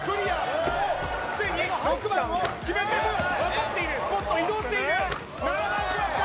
もう既に６番を決めてる分かっているおっと移動している７番決まった！